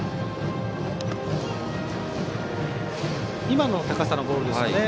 今の高さのボールですかね。